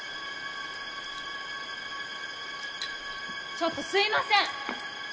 ちょっとすみません！